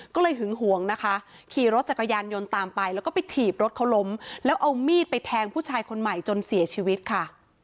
ก็เลยหึงหวงนะคะขี่รถจักรยานยนต์ตามไปแล้วก็ไปถีบรถเขาล้มแล้วเอามีดไปแทงผู้ชายคนใหม่จนเสียชีวิตค่ะ